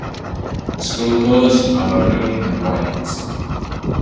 The school colors are maroon and white.